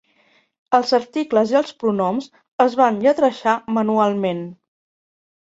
Els articles i els pronoms es van lletrejar manualment.